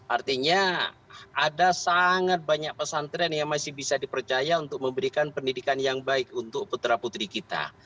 artinya ada sangat banyak pesantren yang masih bisa dipercaya untuk memberikan pendidikan yang baik untuk putra putri kita